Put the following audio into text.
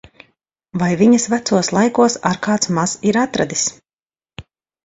Vai viņos vecos laikos ar kāds maz ir atradis!